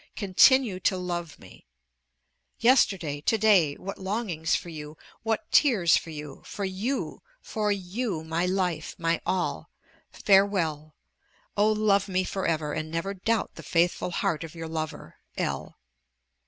Continue to love me. Yesterday, to day, what longings for you, what tears for you! for you! for you! my life! my all! Farewell! Oh, love me for ever, and never doubt the faithful heart of your lover, L.